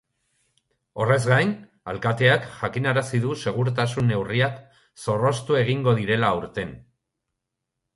Horrez gain, alkateak jakinarazi du segurtasun neurriak zorroztu egingo direla aurten.